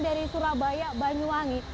dari surabaya banyuwangi